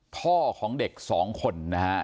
พ่อของเด็กสองคนนะฮะ